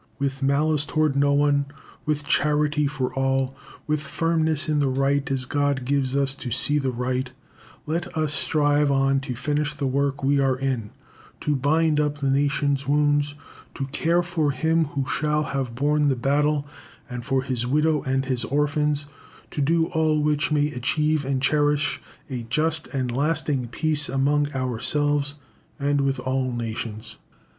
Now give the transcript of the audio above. With malice toward no one, with charity for all, with firmness in the right as God gives us to see the right, let us strive on to finish the work we are in, to bind up the nation's wounds, to care for him who shall have borne the battle, and for his widow and his orphans, to do all which may achieve and cherish a just and lasting peace among ourselves, and with all nations."